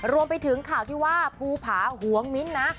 รวมไปถึงข่าวที่ว่าภูผาหวงมิ้นท์นะ